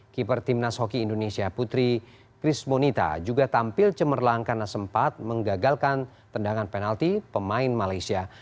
keeper timnas hoki indonesia putri chris monita juga tampil cemerlang karena sempat menggagalkan tendangan penalti pemain malaysia